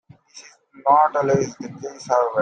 This is not always the case, however.